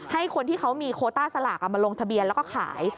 ให้คนที่เขามีโคต้าสลากมาลงทะเบียนแล้วก็ขาย